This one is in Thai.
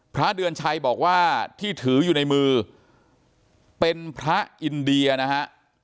พระเดือนชัยบอกว่าที่ถืออยู่ในมือเป็นพระอินเดียนะฮะ